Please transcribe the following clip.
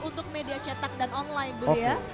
untuk media cetak dan online bu ya